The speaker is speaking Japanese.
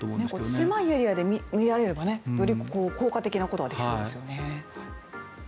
狭いエリアで見られればより効果的なことができそうですよね。